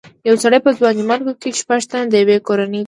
یو سړي وویل په ځوانیمرګو کې شپږ تنه د یوې کورنۍ دي.